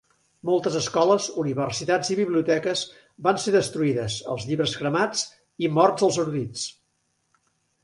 Moltes escoles, universitats i biblioteques van ser destruïdes, els llibres cremats, i morts els erudits.